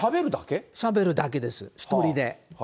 しゃべるだけです、１人で。